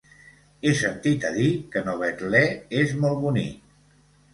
He sentit a dir que Novetlè és molt bonic.